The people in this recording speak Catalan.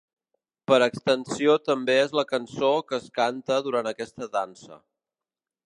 Per extensió també és la cançó que es canta durant aquesta dansa.